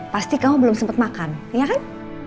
pasti kamu belum sempet makan iya kan